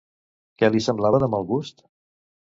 Què li semblava de mal gust?